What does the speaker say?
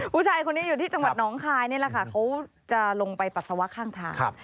ผู้ชายคนนี้อยู่ที่จังหวัดน้องคายนี่แหละค่ะเขาจะลงไปปัสสาวะข้างทาง